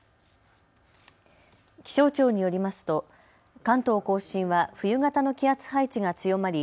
気象庁によりますと関東甲信は冬型の気圧配置が強まり